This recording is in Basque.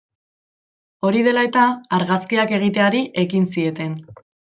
Hori dela eta, argazkiak egiteari ekin zieten.